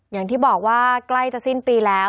อย่างที่บอกว่าใกล้จะสิ้นปีแล้ว